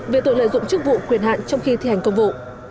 về tội lợi dụng chức vụ quyền hạn trong khi thi hành công vụ